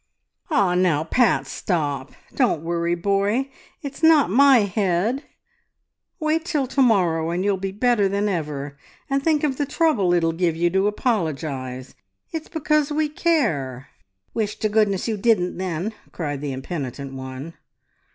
"Ah, now, Pat, stop! Don't worry, boy! It's not my head! ... Wait till to morrow and you'll be better than ever, and think of the trouble it'll give you to apologise. ... It's because we care!" "Wish to goodness you didn't then," cried the impenitent one.